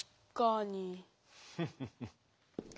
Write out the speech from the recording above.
フフフッ。